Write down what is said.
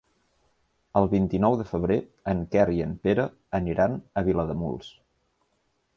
El vint-i-nou de febrer en Quer i en Pere aniran a Vilademuls.